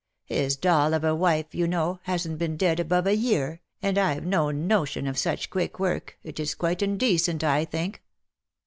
— His doll of a wife, you know, hasn't been dead above a year, and I've no notion of such quick work, it is quite indecent, I think.